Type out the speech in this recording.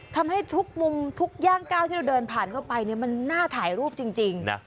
ทำให้ทุกมุมทุกย่างก้าวที่เราเดินผ่านเข้าไปมันน่าถ่ายรูปจริงนะ